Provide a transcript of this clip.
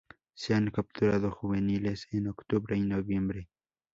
Se han capturado juveniles en octubre y noviembre.